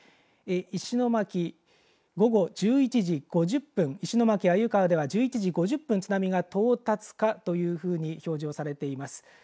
石巻午後１１時５０分石巻鮎川では１１時５０分津波が到達かというふうに表示をされています。